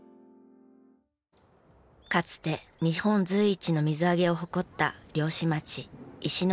かつて日本随一の水揚げを誇った漁師町石巻市。